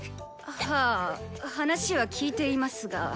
はぁ話は聞いていますが。